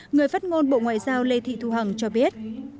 người phát ngôn bộ ngoại giao lê thị thu hằng cho biết